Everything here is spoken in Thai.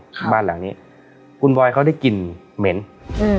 บ้านหลังนี้คุณบอยเขาได้กลิ่นเหม็นอืม